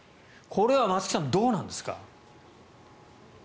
これは松木さんどうなんですか？